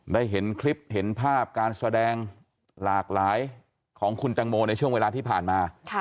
ได้เห็นคลิปเห็นภาพการแสดงหลากหลายของคุณตังโมในช่วงเวลาที่ผ่านมา